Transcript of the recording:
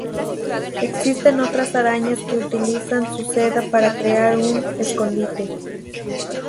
Existen otras arañas que utilizan su seda para crear un escondite.